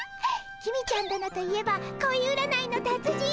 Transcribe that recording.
公ちゃん殿といえば恋占いの達人！